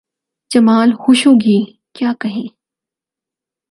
جمال Khashoggi… کیا کہیں؟